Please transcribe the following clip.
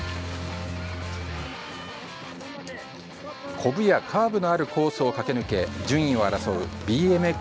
こぶやカーブのあるコースを駆け抜け順位を争うＢＭＸ